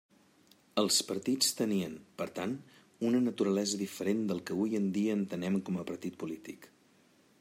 Els partits tenien, per tant, una naturalesa diferent del que hui en dia entenem com a partit polític.